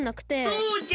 そうじゃ！